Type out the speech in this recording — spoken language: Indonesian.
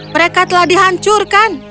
mereka telah dihancurkan